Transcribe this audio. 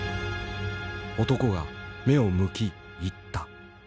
男が目をむき言った。